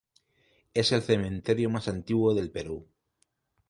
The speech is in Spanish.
Es el cementerio más antiguo del Perú.